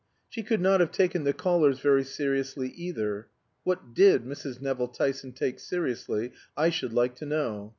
She could not have taken the callers very seriously either (what did Mrs. Nevill Tyson take seriously, I should like to know?)